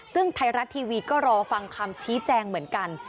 ซึ่งไทยรัฐทีวีก็รอฟังคำชี้แจงเหมือนกัน